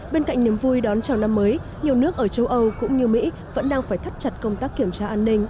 bên cạnh niềm vui đón chào năm mới nhiều nước ở châu âu cũng như mỹ vẫn đang phải thắt chặt công tác kiểm tra an ninh